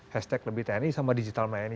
hashtag lebih tni sama digital mania ini